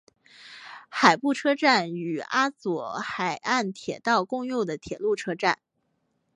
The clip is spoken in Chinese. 海部车站与阿佐海岸铁道共用的铁路车站。